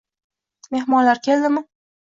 Mehmonlar keldimi?